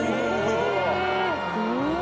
うわ！